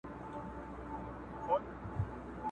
په دې اور سو موږ تازه پاته کېدلای؛